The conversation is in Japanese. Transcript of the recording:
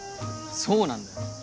そうなんだよ。